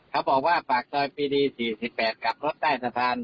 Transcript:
เขาบอกว่าฝากจริงปีดี๔๘กลับรถทางสถาน